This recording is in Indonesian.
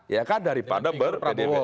ya kan daripada berpdb